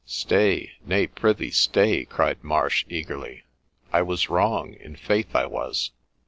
' Stay ! Nay, prithee stay !' cried Marsh, eagerly, ' I was wrong ; in faith I was.